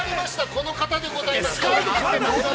この方でございます。